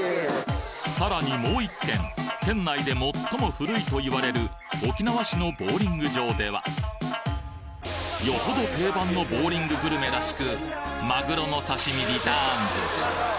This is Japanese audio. さらにもう１軒県内で最も古いと言われる沖縄市のボウリング場ではよほど定番のボウリンググルメらしくマグロの刺身リターンズ！